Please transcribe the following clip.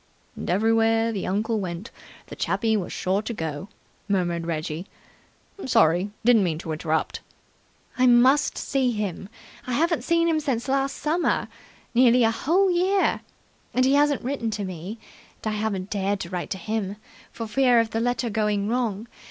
"And everywhere the uncle went, the chappie was sure to go!" murmured Reggie. "Sorry. Didn't mean to interrupt." "I must see him. I haven't seen him since last summer nearly a whole year! And he hasn't written to me, and I haven't dared to write to him, for fear of the letter going wrong.